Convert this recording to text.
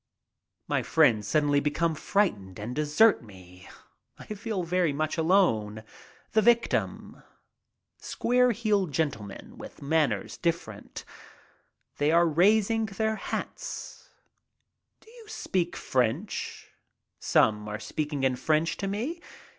My friends suddenly become frightened and desert me. I feel very much alone, the victim. Square headed gentle men with manners different — they are raising their hats. "Do I speak French?" Some are speaking in French to me.